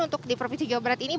untuk di provinsi jawa barat ini